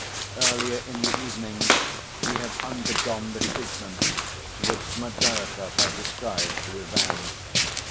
Earlier in the evening he had undergone the treatment which Smerdyakov had described to Ivan.